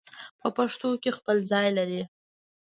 په پښتو کې خپل ځای لري